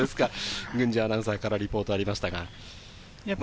郡司アナウンサーからリポートがありました。